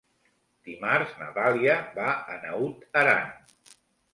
Dimarts na Dàlia va a Naut Aran.